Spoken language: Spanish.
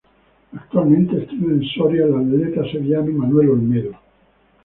Actualmente entrena en Soria el atleta sevillano Manuel Olmedo.